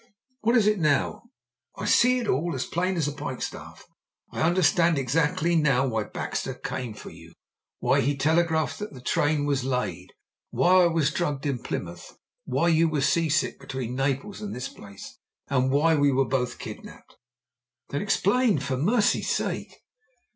"What is it now?" "I see it all as plain as a pikestaff. I understand exactly now why Baxter came for you, why he telegraphed that the train was laid, why I was drugged in Plymouth, why you were sea sick between Naples and this place, and why we were both kidnapped!" "Then explain, for mercy's sake!"